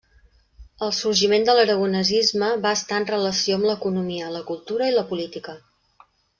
El sorgiment de l'aragonesisme va estar en relació amb l'economia, la cultura i la política.